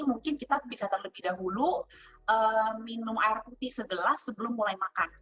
mungkin kita bisa terlebih dahulu minum air putih segelas sebelum mulai makan